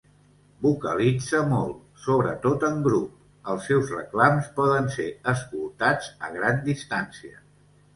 Vocalitza molt, sobretot en grup; els seus reclams poden ser escoltats a gran distància.